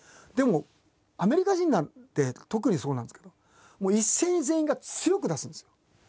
でもアメリカ人なんて特にそうなんですけどもう一斉に全員が強く出すんですよ。